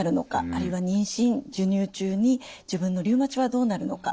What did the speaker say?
あるいは妊娠授乳中に自分のリウマチはどうなるのか？